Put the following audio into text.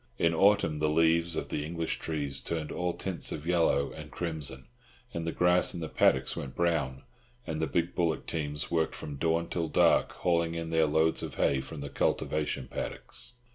In autumn, the leaves of the English trees turned all tints of yellow and crimson, and the grass in the paddocks went brown; and the big bullock teams worked from dawn till dark, hauling in their loads of hay from the cultivation paddocks.